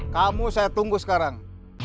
kamu saya tunggu sekarang